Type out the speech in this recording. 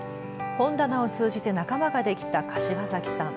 本棚を通じて仲間ができた柏崎さん。